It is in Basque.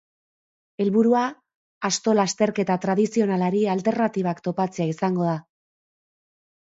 Helburua, asto lasterketa tradizionalari alternatibak topatzea izango da.